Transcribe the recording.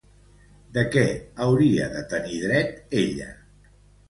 De què hauria de tenir dret ella?